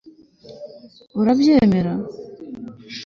urabyemera